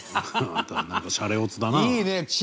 またなんかシャレオツだな。